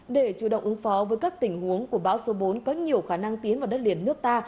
để chủ động ứng phó với các tình huống của bão số bốn có nhiều khả năng tiến vào đất liền nước ta